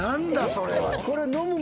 ⁉それは！